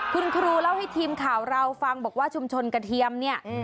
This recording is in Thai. คุณครูเล่าให้ทีมข่าวเราฟังบอกว่าชุมชนกระเทียมเนี่ย